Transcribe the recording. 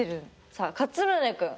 さあかつむねくん。